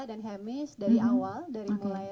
dan hamish dari awal dari mulanya